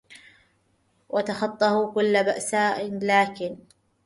وتخطَّته كلُّ بأساءَ لكن